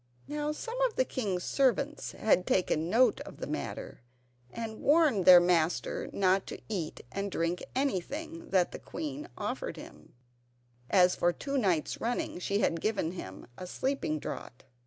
Now some of the king's servants had taken note of the matter, and warned their master not to eat and drink anything that the queen offered him, as for two nights running she had given him a sleeping draught.